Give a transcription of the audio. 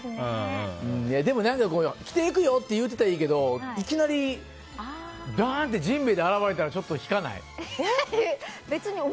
でも、着ていくよって言うてたらいいけどいきなり、甚平で現れたらちょっと引かない？